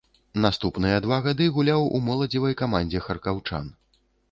Наступныя два гады гуляў у моладзевай камандзе харкаўчан.